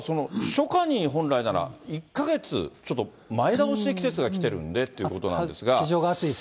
初夏に本来なら、１か月ちょっと前倒しで季節が来てるんでってことですから。